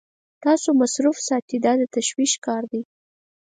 تاسو مصروف ساتي دا د تشویش کار دی.